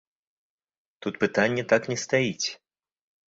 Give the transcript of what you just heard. Тут пытанне так не стаіць!